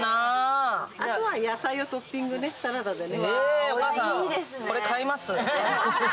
あとは野菜をトッピングね、サラダでね。